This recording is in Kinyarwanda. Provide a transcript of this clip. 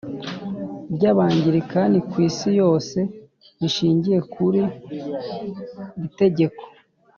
ry Abangilikani ku isi yose rishingiye kuri ritegeko